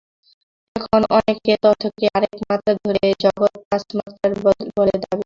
এখন অনেকে তথ্যকে আরেক মাত্রা ধরে জগৎ পাঁচ মাত্রার বলে দাবি করেন।